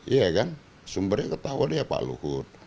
iya kan sumbernya ketahuan ya pak luhut